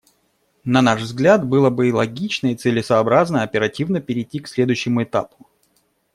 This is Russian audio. На наш взгляд, было бы и логично, и целесообразно оперативно перейти к следующему этапу.